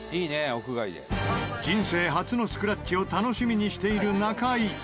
人生初のスクラッチを楽しみにしている中井。